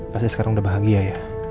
pasti sekarang udah bahagia ya